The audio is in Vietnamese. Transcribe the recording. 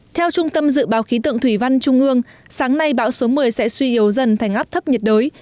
theo trung tâm dự báo khí tượng thủy văn trung ương sáng nay bão số một mươi sẽ suy yếu dần thành áp thấp nhiệt đới